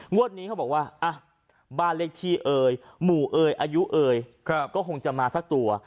นี้เขาบอกว่าบ้านเลขที่เอ่ยหมู่เอ่ยอายุเอ่ยก็คงจะมาสักตัว